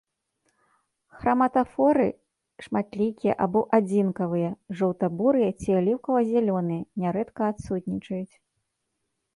Храматафоры шматлікія або адзінкавыя, жоўта-бурыя ці аліўкава-зялёныя, нярэдка адсутнічаюць.